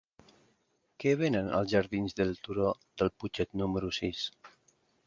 Què venen als jardins del Turó del Putxet número sis?